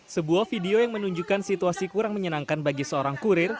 sebuah video yang menunjukkan situasi kurang menyenangkan bagi seorang kurir